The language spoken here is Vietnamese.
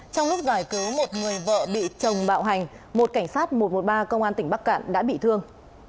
trong lúc giải cứu một người vợ bị chồng bạo hành một cảnh sát một trăm một mươi ba công an tỉnh bắc cạn đã bị thương